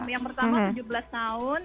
yang pertama tujuh belas tahun